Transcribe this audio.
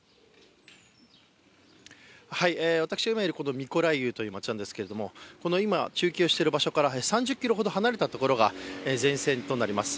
私が今いるミコライウという街なんですけれども今、中継をしている場所から３０ｋｍほど離れた場所が前線となります。